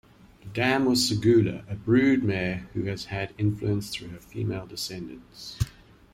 The dam was Segula, a broodmare who has had influence through her female descendants.